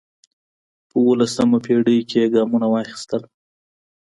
په اوولسمه پېړۍ کې یې ګامونه واخیستل